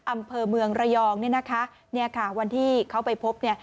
อำเภอเมืองระยองวันที่เขาไปพบ